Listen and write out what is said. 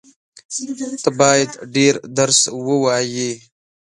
ته بايد ډېر درس ووایې.